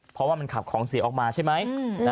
เพราะว่ามันขับของเสียออกมาใช่ไหม